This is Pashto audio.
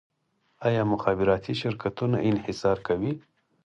آیا مخابراتي شرکتونه انحصار کوي؟